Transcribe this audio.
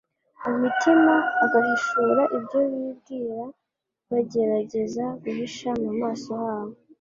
mu mitima agahishura ibyo bibwira, bagerageza guhisha mu maso habo,